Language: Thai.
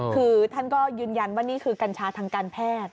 คือท่านก็ยืนยันว่านี่คือกัญชาทางการแพทย์